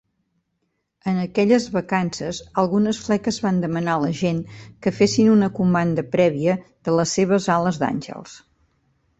En aquelles vacances, algunes fleques van demanar a la gent que fessin una comanda prèvia de les seves ales d"àngels.